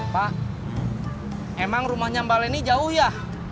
pak emang rumahnya mbak leni jauh ya